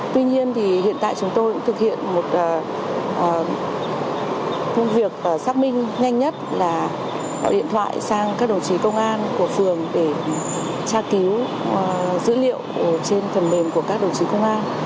tuy nhiên thì hiện tại chúng tôi cũng thực hiện một việc xác minh nhanh nhất là gọi điện thoại sang các đồng chí công an của phường để tra cứu dữ liệu trên phần mềm của các đồng chí công an